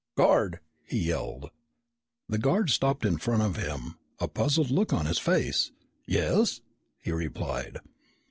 "Guard!" he yelled. The guard stopped in front of him, a puzzled look on his face. "Yes?" he replied.